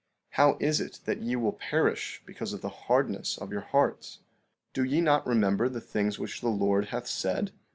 How is it that ye will perish, because of the hardness of your hearts? 15:11 Do ye not remember the things which the Lord hath said?